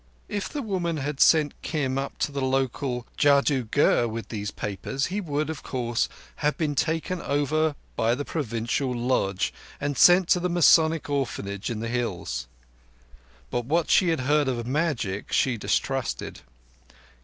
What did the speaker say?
If the woman had sent Kim up to the local Jadoo Gher with those papers, he would, of course, have been taken over by the Provincial Lodge, and sent to the Masonic Orphanage in the Hills; but what she had heard of magic she distrusted.